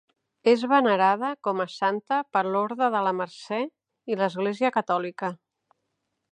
És venerada com a santa per l'Orde de la Mercè i l'Església catòlica.